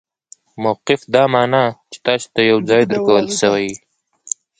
موقف دا مانا، چي تاسي ته یو ځای درکول سوی يي.